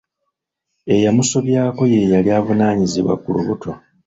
Eyamusobyako ye yali avunaanyizibwa ku lubuto.